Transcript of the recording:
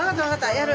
やる。